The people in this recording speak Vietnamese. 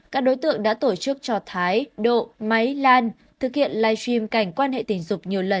các đối tượng đã tổ chức cho thái độ máy lan thực hiện live stream cảnh quan hệ tình dục nhiều lần